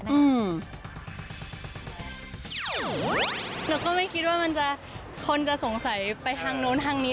เราก็ไม่คิดว่ามันจะคนจะสงสัยไปทางนู้นทางนี้